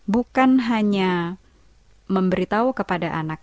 bukan hanya memberitahu kepada anak